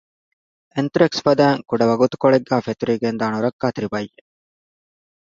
އެންތުރެކްސް ފަދައިން ކުޑަ ވަގުތުކޮޅެއްގައި ފެތުރިގެންދާ ނުރައްކާތެރި ބައްޔެއް